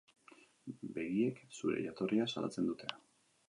Begiek zure jatorria salatzen dute.